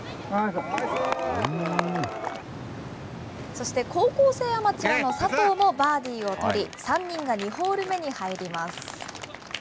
そして高校生アマチュアの佐藤もバーディーを取り、３人が２ホール目に入ります。